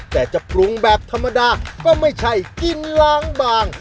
แต่จะปรุงแบบธรรมดาก็ไม่ใช่กินล้างบาง